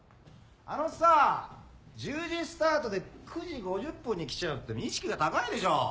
あのさ１０時スタートで９時５０分に来ちゃうって意識が高いでしょ！